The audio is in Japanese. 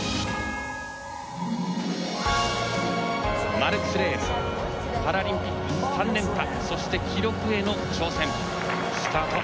マルクス・レームパラリンピック３連覇そして記録への挑戦。